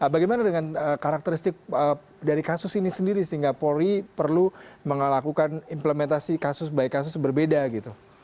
bagaimana dengan karakteristik dari kasus ini sendiri singapura perlu mengalakukan implementasi kasus baik kasus berbeda gitu